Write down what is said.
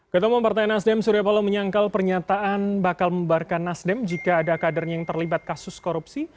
ketemu partai nasdem surya paloh menyangkal pernyataan bakal membarkan nasdem jika ada kadernya yang terlibat kasus korupsi